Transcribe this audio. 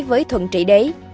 với thuận trị đế